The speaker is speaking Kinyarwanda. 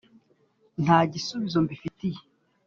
nta gisubizo’mbi fitiye